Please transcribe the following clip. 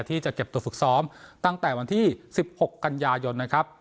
ที่จะเก็บตัวฝึกซ้อมตั้งแต่วันที่๑๖กันยายนนะครับ